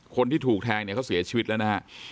คนที่ถูกแทงเนี่ยเขาเสียชีวิตแล้วนะฮะ